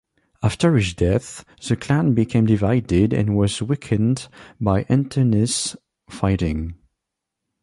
After his death, the clan became divided and was weakened by internecine fighting.